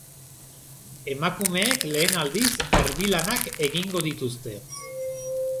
Emakumeek lehen aldiz erbi-lanak egingo dituzte.